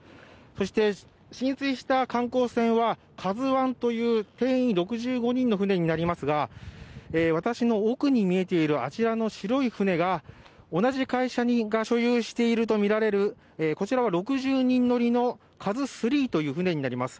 そして、浸水した観光船は「ＫＡＺＵⅠ」という定員６５人の船になりますが、私の奥に見えているあちらの白い船が同じ会社が所有しているとみられる、こちらは６０人乗りの「ＫＡＺＵⅢ」という船になります。